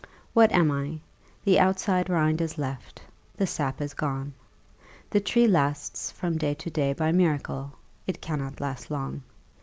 What am I? The outside rind is left the sap is gone. The tree lasts from day to day by miracle it cannot last long.